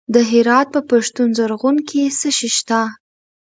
د هرات په پشتون زرغون کې څه شی شته؟